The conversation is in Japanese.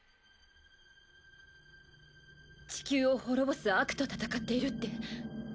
地球を滅ぼす悪と戦っているって